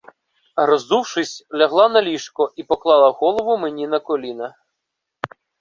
Роззувшись, лягла на ліжко і поклала голову мені на коліна.